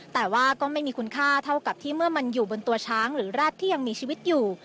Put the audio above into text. แต่ว่าก็ไม่มีคุณค่าเท่ากับที่เมื่อมันอยู่บนตัวช้างหรือแร็ดที่ยังมีชีวิตอยู่